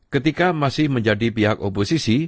ketika masih menjadi pihak oposisi